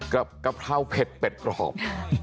กะเพราเผ็ดเป็ดกรอบ